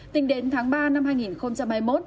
tính đến tháng ba năm hai nghìn hai mươi một